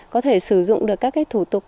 có thể sử dụng được các cái thủ tục